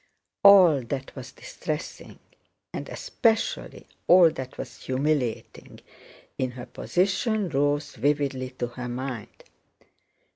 All that was distressing, and especially all that was humiliating, in her position rose vividly to her mind.